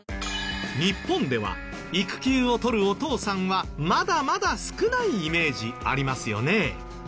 日本では育休を取るお父さんはまだまだ少ないイメージありますよね。